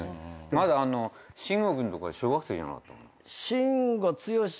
まだ慎吾君とか小学生じゃなかった？